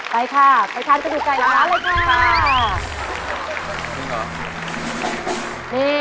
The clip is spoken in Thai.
ไปค่ะไปค่ะจะดูใกล้แล้วเลยค่ะค่ะ